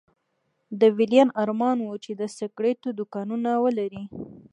د ويلين ارمان و چې د سګرېټو دوکانونه ولري.